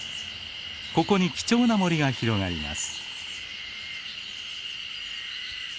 ここに貴重な森が広がります。